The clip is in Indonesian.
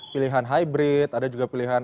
pilihan hybrid ada juga pilihan